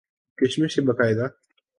کشمش کے باقاعدہ